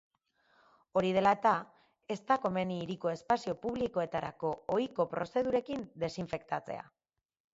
Hori dela eta, ez da komeni hiriko espazio publikoetarako ohiko prozedurekin desinfektatzea.